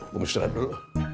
gue misrah dulu